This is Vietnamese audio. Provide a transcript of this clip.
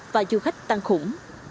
và du khách tăng khủng